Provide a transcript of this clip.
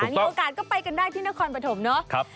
มีโอกาสก็ไปกันได้ที่นครปฐมเนาะ